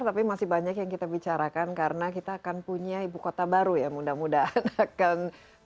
tapi masih banyak yang kita bicarakan karena kita akan punya ibu kota baru ya mudah mudahan akan